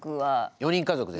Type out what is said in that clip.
４人家族ですね。